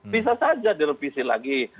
bisa saja direvisi lagi